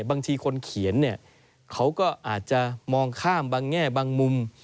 บางทีคนเขียนเนี่ยเขาก็อาจจะมองข้ามบางแง่บางมุม